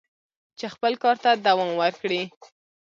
چې خپل کار ته دوام ورکړي."